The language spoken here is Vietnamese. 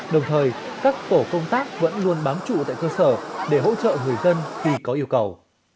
đồng thời các tổ công tác vẫn luôn bám trụ tại cơ sở để hỗ trợ người dân khi có yêu cầu